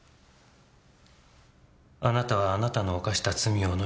あなたはあなたの犯した罪をのみ